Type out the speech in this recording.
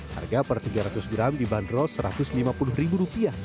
harga per tiga ratus gram dibanderol rp satu ratus lima puluh